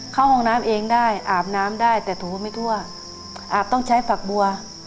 เข้าห้องน้ำเองได้อาบน้ำได้แต่ถูไม่ทั่วอาบต้องใช้ฝักบัว